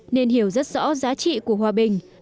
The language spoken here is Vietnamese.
nên hiểu rất rõ giá trị của hòa bình